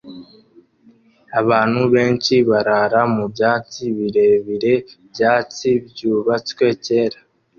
Abantu benshi barara mu byatsi birebire byatsi byubatswe kera